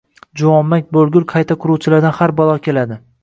Juvonmarg bo‘lgur qayta quruvchilardan har balo keladi».